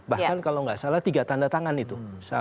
bahkan kalau nggak salah tiga tanda tangan itu